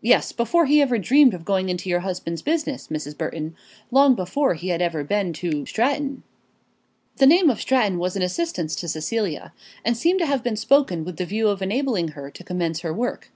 "Yes; before he ever dreamed of going into your husband's business, Mrs. Burton; long before he had ever been to Stratton." The name of Stratton was an assistance to Cecilia, and seemed to have been spoken with the view of enabling her to commence her work.